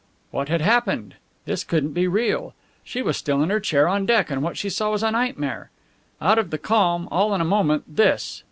What had happened? This couldn't be real! She was still in her chair on deck, and what she saw was nightmare! Out of the calm, all in a moment, this!